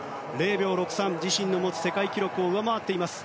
０秒６３、自身の持つ世界記録を上回っています。